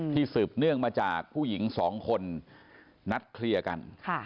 สืบเนื่องมาจากผู้หญิง๒คนนัดเคลียร์กัน